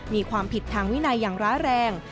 มีความผิดทางวินัยอย่างร้ายแรง